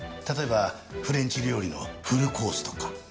例えばフレンチ料理のフルコースとか。